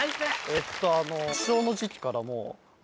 えっと